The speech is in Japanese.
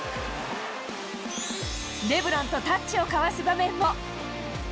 レブロンとタッチを交わす場面も。